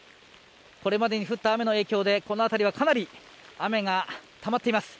これまでに降った雨の影響でこの辺りはかなり雨がたまっています。